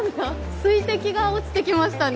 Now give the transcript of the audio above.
水滴が落ちてきましたね。